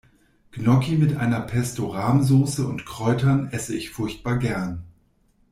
Gnocchi mit einer Pesto-Rahm-Soße und Kräutern esse ich furchtbar gern.